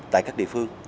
tại các địa phương